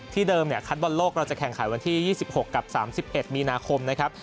เดิมคัดบอลโลกเราจะแข่งขันวันที่๒๖กับ๓๑มีนาคมนะครับ